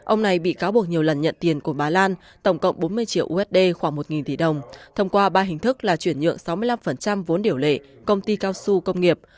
ông này bị cáo buộc nhiều lần nhận tiền của bà lan tổng cộng bốn mươi triệu usd khoảng một tỷ đồng thông qua ba hình thức là chuyển nhượng sáu mươi năm vốn điều lệ công ty cao su công nghiệp